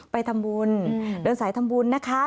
ไปดนสาขาดดนสายทำบุญนะคะ